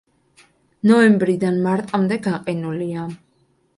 ნოემბრიდან მარტამდე გაყინულია.